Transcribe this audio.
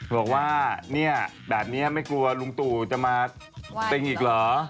บอกว่าแบบนี้ไม่กลัวลุงตั่วจะมาเต้งอีกหรอ